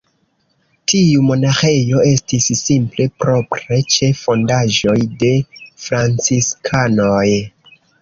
Tiu monaĥejo estis simple propre ĉe fondaĵoj de franciskanoj.